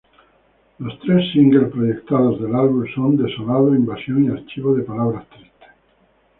Los tres singles proyectados del álbum son Desolado, Invasión y Archivo de palabras tristes.